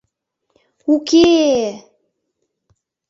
— Уке-е-е!